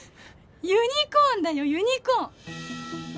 ユニコーンだよユニコーン！